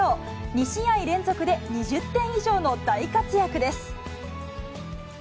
２試合連続で２０点以上の大活躍です。